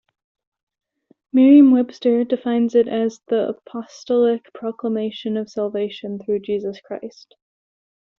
Merriam-Webster defines it as "the apostolic proclamation of salvation through Jesus Christ".